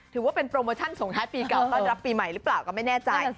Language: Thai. ถือว่าเป็นโปรโมชั่นส่งท้ายปีเก่าต้อนรับปีใหม่หรือเปล่าก็ไม่แน่ใจ